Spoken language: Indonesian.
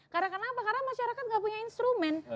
karena kenapa karena masyarakat gak punya instrumen